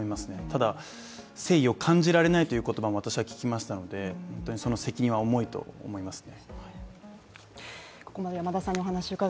ただ誠意を感じられないという言葉も私は聞きましたので、本当にその責任は重いと思います。